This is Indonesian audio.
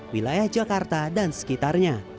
wilayah jakarta dan sekitarnya